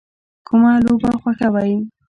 کومه لوبه خوښوئ؟